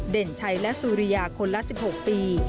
เด่นชัยและสุริยาคนละ๑๖ปี